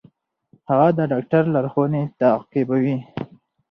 هغه د ډاکټر لارښوونې تعقیبوي.